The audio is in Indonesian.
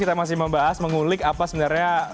kita masih membahas mengulik apa sebenarnya